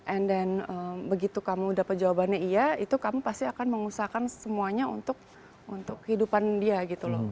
and then begitu kamu dapat jawabannya iya itu kamu pasti akan mengusahakan semuanya untuk kehidupan dia gitu loh